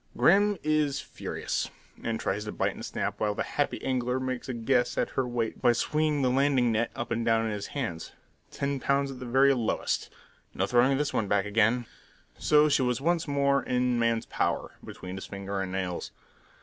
Grim is furious, and tries to bite and snap while the happy angler makes a guess at her weight by swinging the landing net up and down in his hands. Ten pounds at the very lowest! No throwing this one back again! So she was once more in man's power, between his fingers and nails.